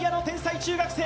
中学生